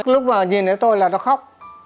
lúc nhìn thấy tôi là nó khóc